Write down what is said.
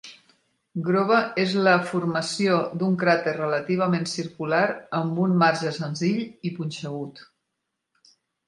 Grove és la formació d'un cràter relativament circular amb un marge senzill i punxegut.